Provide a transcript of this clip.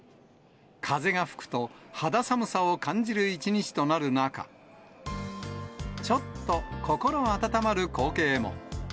風が吹くと、肌寒さを感じる一日となる中、ちょっと心温まる光景も。